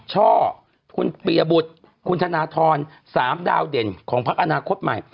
ช่อคุณปียบุตรคุณธนทร๓ดาวเด่นของพักอนาคตใหม่